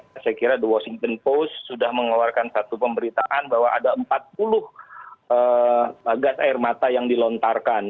saya kira the washington post sudah mengeluarkan satu pemberitaan bahwa ada empat puluh gas air mata yang dilontarkan